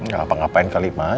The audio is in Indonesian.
gak apa ngapain kalimah